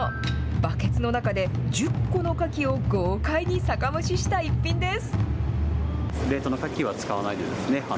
バケツの中で１０個のカキを豪快に酒蒸しした一品です。